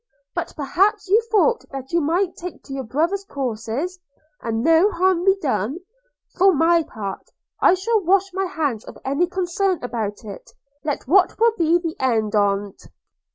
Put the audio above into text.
But perhaps you thought that you might take to your brother's courses, and no harm done. For my part, I shall wash my hands of any concern about it, let what will be the end on't.'